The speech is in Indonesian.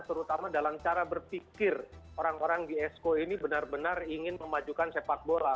terutama dalam cara berpikir orang orang di esko ini benar benar ingin memajukan sepak bola